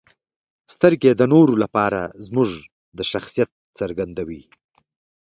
• سترګې د نورو لپاره زموږ د شخصیت څرګندوي.